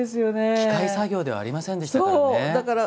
機械作業ではありませんでしたからね。